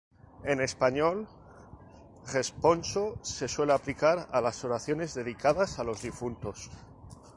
En español, "responso" se suele aplicar a las oraciones dedicadas a los difuntos.